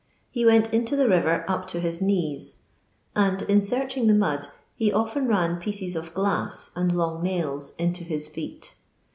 He went into the rirer up to his knees, and in searching the mod he often mn pieces of glass and long naila into his feet.